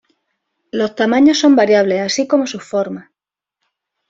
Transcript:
Los tamaños son variables, así como sus formas.